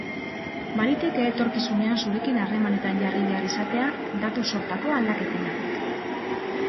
Baliteke etorkizunean zurekin harremanetan jarri behar izatea datu-sortako aldaketengatik.